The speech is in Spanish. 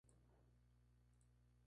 Resultando electo.